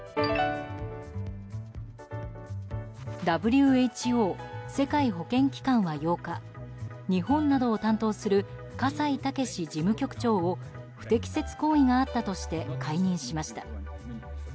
ＷＨＯ・世界保健機関は８日日本などを担当する葛西健事務局長を不適切行為があったとして解任しました。